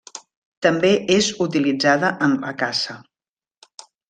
També és utilitzada en la caça.